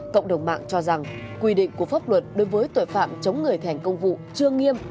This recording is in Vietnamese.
cộng đồng mạng cho rằng quy định của pháp luật đối với tội phạm chống người thành công vụ chưa nghiêm